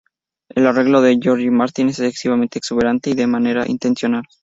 El arreglo de George Martin es excesivamente exuberante, y de manera intencional.